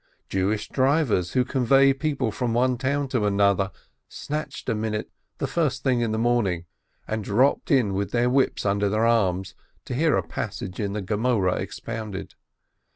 Jewish drivers, who convey people from one town to another, snatched a minute the first thing in the morning, and dropped in with their whips under their arms, to hear a passage in the Gemoreh expounded.